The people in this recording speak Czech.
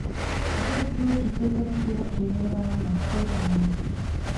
Nakonec bylo přistoupeno k jeho přejmenování na Stay on Main.